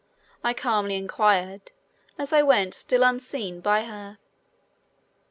I calmly inquired as I was still unseen by her.